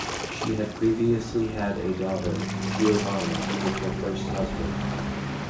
She had previously had a daughter, Giovanna, with her first husband.